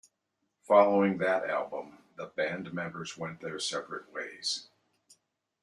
Following that album, the band members went their separate ways.